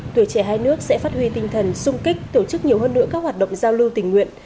tuổi trẻ hai nước sẽ phát huy tinh thần sung kích tổ chức nhiều hơn nữa các hoạt động giao lưu tình nguyện